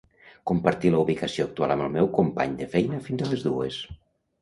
Compartir la ubicació actual amb el meu company de feina fins a les dues.